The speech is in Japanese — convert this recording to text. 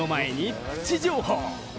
の前にプチ情報。